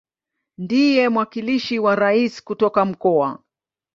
Ndiye mwakilishi wa Rais katika Mkoa.